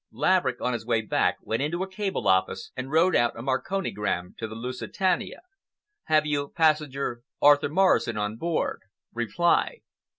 Laverick, on his way back, went into a cable office and wrote out a marconigram to the Lusitania, Have you passenger Arthur Morrison on board? Reply.